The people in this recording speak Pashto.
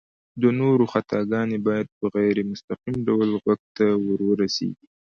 د نورو خطاګانې بايد په غير مستقيم ډول غوږ ته ورورسيږي